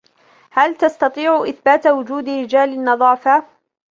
هل تستطيع إثبات وجود رجال النظافة ؟